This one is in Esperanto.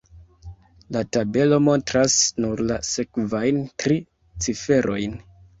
La tabelo montras nur la sekvajn tri ciferojn.